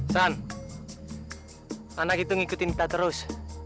san anak itu ngikutin kita terus